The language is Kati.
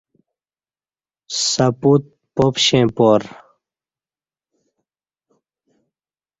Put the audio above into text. سہ پُت پاپشیں پار